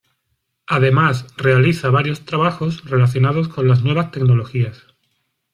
Además, realiza varios trabajos relacionados con las nuevas tecnologías.